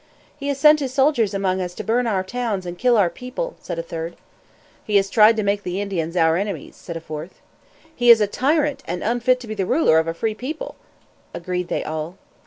"He has sent his soldiers among us to burn our towns and kill our people," said a third. "He has tried to make the Indians our enemies," said a fourth. "He is a tyrant and unfit to be the ruler of a free people," agreed they all.